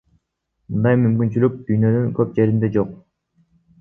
Мындай мүмкүнчүлүк дүйнөнүн көп жеринде жок.